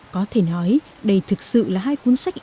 có thể nói đây thực sự là hai cuốn sách